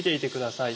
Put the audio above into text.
はい。